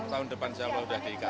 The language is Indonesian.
tahun depan insya allah udah diikai